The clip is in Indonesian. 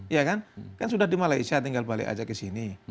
ya kan kan sudah di malaysia tinggal balik aja ke sini